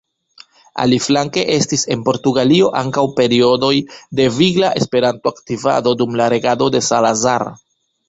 Aliflanke estis en Portugalio ankaŭ periodoj de vigla Esperanto-aktivado dum la regado de Salazar.